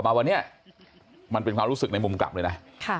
มาวันนี้มันเป็นความรู้สึกในมุมกลับเลยนะ